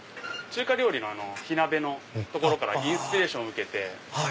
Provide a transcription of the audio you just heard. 中華料理の火鍋のところからインスピレーションを受けて。